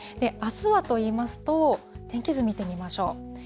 あすはといいますと、天気図見てみましょう。